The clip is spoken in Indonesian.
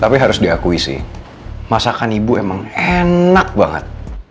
tapi harus diakui sih masakan ibu emang enak banget